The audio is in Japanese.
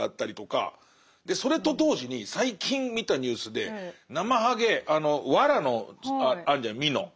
それと同時に最近見たニュースでナマハゲあの藁のあるじゃん蓑。